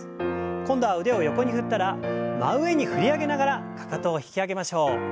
今度は腕を横に振ったら真上に振り上げながらかかとを引き上げましょう。